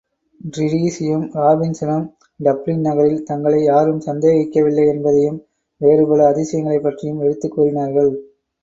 டிரீஸியும், ராபின்ஸனும் டப்ளின் நகரில் தங்களை யாரும் சந்தேகிக்கவில்லை என்பதையும் வேறுபல அதிசயங்களைப் பற்றியும் எடுத்துக் கூறினார்கள்.